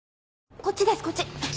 こっちですこっち。